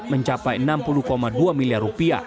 mencapai rp enam puluh dua miliar